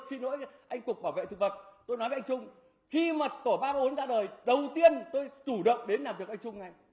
xin lỗi anh cục bảo vệ thực vật tôi nói với anh trung khi mật tổ ba bốn ra đời đầu tiên tôi chủ động đến làm việc anh trung ngay